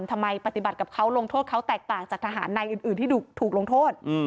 ทำไมปฏิบัติกับเขาลงโทษเขาแตกต่างจากทหารนายอื่นที่ถูกลงโทษ